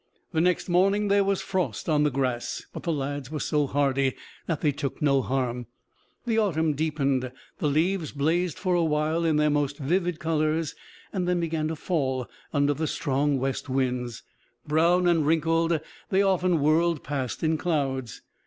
The next morning there was frost on the grass, but the lads were so hardy that they took no harm. The autumn deepened. The leaves blazed for a while in their most vivid colors and then began to fall under the strong west winds. Brown and wrinkled, they often whirled past in clouds.